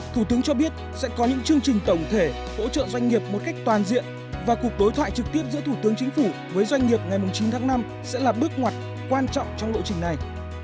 thủ tướng cho biết sẽ có những chương trình tổng thể hỗ trợ doanh nghiệp một cách toàn diện và cuộc đối thoại trực tiếp giữa thủ tướng chính phủ với doanh nghiệp ngày chín tháng năm sẽ là bước ngoặt quan trọng trong lộ trình này